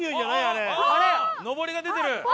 のぼりが出てる！